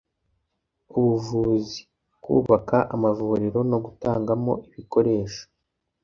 ubuvuzi (kubaka amavuriro no gutangamo ibikoresho)